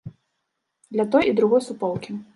Для той і другой суполкі.